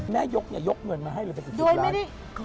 แม่ยกอย่ายกเงินมาให้ลูกมนต์๑๐ล้าน